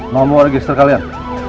nama lu ada register kalian